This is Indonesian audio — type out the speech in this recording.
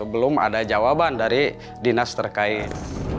belum ada jawaban dari dinas terkait